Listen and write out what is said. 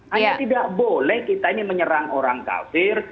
hanya tidak boleh kita ini menyerang orang kafir